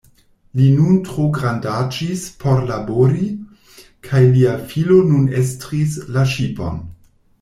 Li nun trograndaĝis por labori, kaj lia filo nun estris la ŝipon.